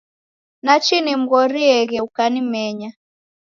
Nachi namghorieghe ukanimenya.